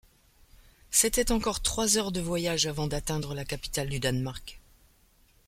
C’était encore trois heures de voyage avant d’atteindre la capitale du Danemark.